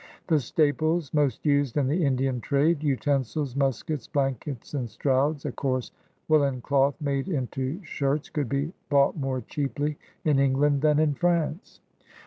The staples most used in the Indian trade — utensils, muskets, blankets, and strouds (a coarse woolen doth made into shirts) — could be bought more cheaply in England than in France.